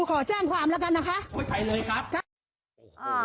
ขอจ้างความละกันนะคะ